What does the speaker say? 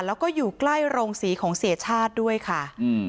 แล้วก็อยู่ใกล้โรงศรีของเสียชาติด้วยค่ะ